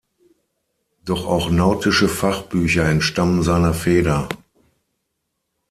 Doch auch nautische Fachbücher entstammen seiner Feder.